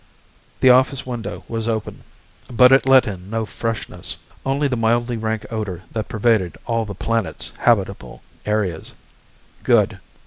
The office window was open, but it let in no freshness, only the mildly rank odor that pervaded all the planet's habitable area. "Good."